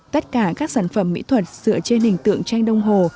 tất cả các sản phẩm mỹ thuật dựa trên hình tượng tranh đông hồ